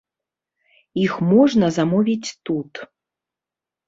Іх можна замовіць тут.